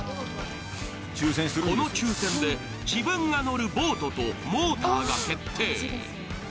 この抽選で自分が乗るボートとモーターが決定。